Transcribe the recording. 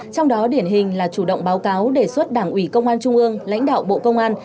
trong đó điển hình là chủ động báo cáo đề xuất đảng ủy công an trung ương lãnh đạo bộ công an